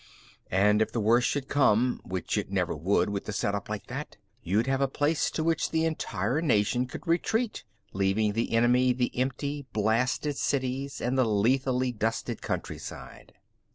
And if the worst should come which it never would with a setup like that you'd have a place to which the entire nation could retreat, leaving to the enemy the empty, blasted cities and the lethally dusted countryside.